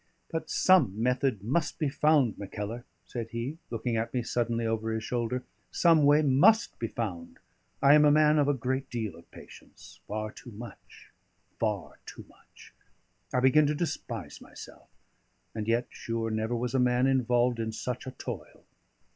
"But some method must be found, Mackellar," said he, looking at me suddenly over his shoulder; "some way must be found. I am a man of a great deal of patience far too much far too much. I begin to despise myself. And yet, sure, never was a man involved in such a toil!"